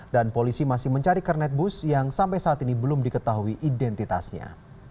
dan polisi masih mencari kernet bus yang sampai saat ini belum diketahui identitasnya